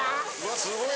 あすごい。